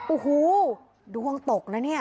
โอ้โหดวงตกนะเนี่ย